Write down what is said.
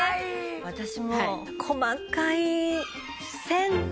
私も細かい線が。